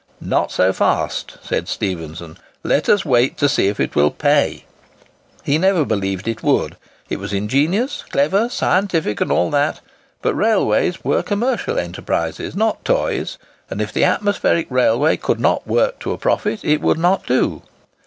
"Not so fast," said Stephenson. "Let us wait to see if it will pay." He never believed it would. It was ingenious, clever, scientific, and all that; but railways were commercial enterprises, not toys; and if the atmospheric railway could not work to a profit, it would not do.